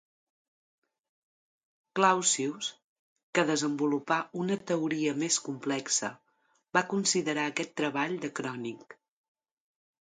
Clausius, que desenvolupà una teoria més complexa, va considerar aquest treball de Krönig.